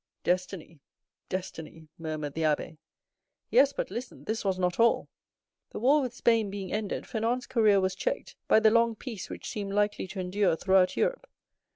"Destiny! destiny!" murmured the abbé. "Yes, but listen: this was not all. The war with Spain being ended, Fernand's career was checked by the long peace which seemed likely to endure throughout Europe.